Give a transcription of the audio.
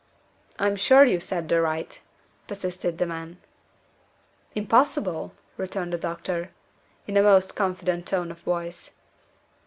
"I'm sure you said the right," persisted the man. "Impossible!" returned the doctor, in a most confident tone of voice.